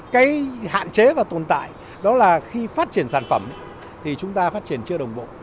cái hạn chế và tồn tại đó là khi phát triển sản phẩm thì chúng ta phát triển chưa đồng bộ